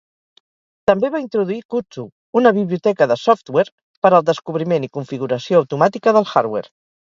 També va introduir Kudzu, una biblioteca de software per al descobriment i configuració automàtica del hardware.